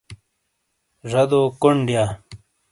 ڙَدو کوݨ دیا۔